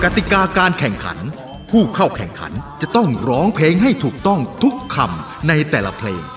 ติกาการแข่งขันผู้เข้าแข่งขันจะต้องร้องเพลงให้ถูกต้องทุกคำในแต่ละเพลง